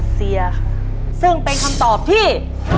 ซึ่งเป็นคำตอบที่